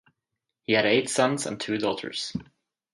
He had eight sons and two daughters.